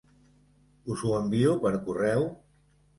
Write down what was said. Us ho envio per correu?